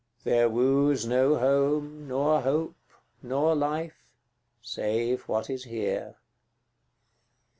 There woos no home, nor hope, nor life, save what is here.